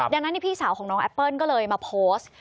ดังนั้นพี่สาวของน้องแอปเปิ้ลก็เลยมาโพสต์